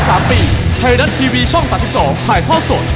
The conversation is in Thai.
ไทยรัฐทีวีช่อง๓๒ถ่ายทอดสด